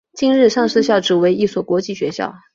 今日上述校扯为一所国际学校。